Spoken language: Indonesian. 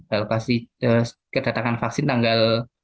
alokasi kedatangan vaksin tanggal dua puluh delapan